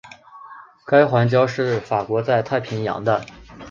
该环礁是法国在太平洋的。